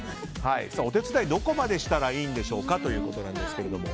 お手伝いどこまでしたらいいんでしょうかということです。